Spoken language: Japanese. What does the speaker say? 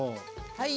はい。